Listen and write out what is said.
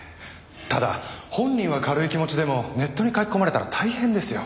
ただ本人は軽い気持ちでもネットに書き込まれたら大変ですよ。